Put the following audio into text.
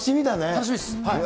楽しみです。